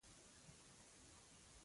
• بادام د ځوانۍ لپاره ګټور دی.